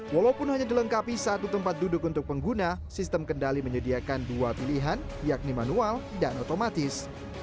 walaupun hanya dilengkapi satu tempat duduk untuk pengguna sistem kendali menyediakan dua pilihan yakni manual dan otomatis